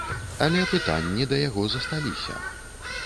Але пытанні да яго засталіся.